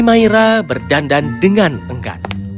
maira berdandan dengan enggan